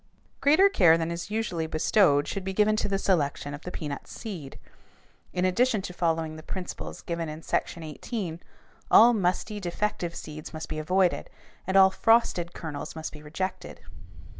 Greater care than is usually bestowed should be given to the selection of the peanut seed. In addition to following the principles given in Section XVIII, all musty, defective seeds must be avoided and all frosted kernels must be rejected.